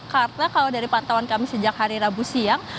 karena kalau dari pantauan kami sejak hari rabu siang